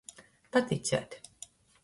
Paticēt.